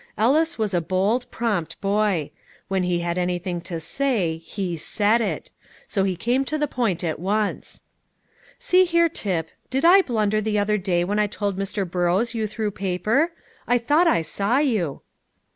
Ellis was a bold, prompt boy: when he had anything to say, he said it; so he came to the point at once. "See here, Tip, did I blunder the other day when I told Mr. Burrows you threw paper? I thought I saw you."